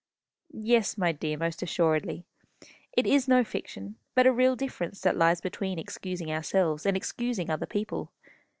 "Yes, my dear, most assuredly. It is no fiction, but a real difference that lies between excusing ourselves and excusing other people.